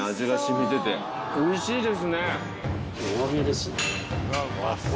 おいしいです。